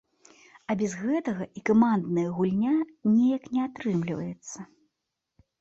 А без гэтага і камандная гульня неяк не атрымліваецца.